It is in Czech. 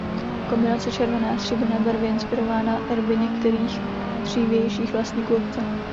Kombinace červené a stříbrné barvy je inspirována erby některých dřívějších vlastníků obce.